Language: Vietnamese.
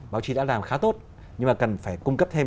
báo chí đã làm khá tốt nhưng mà cần phải cung cấp thêm